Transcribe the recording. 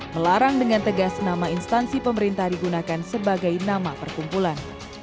melarang dengan tegas nama instansi pemerintah digunakan sebagai nama perkumpulan